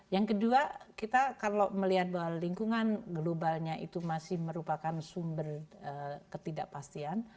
yang kedua kita kalau melihat bahwa lingkungan globalnya itu masih merupakan sumber ketidakpastian